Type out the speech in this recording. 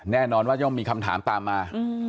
แน่นอนว่าย่อมมีคำถามตามมา